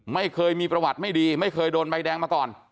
ไม่เคยมีประวัติไม่ดีไม่เคยโดนใบแดงมาก่อน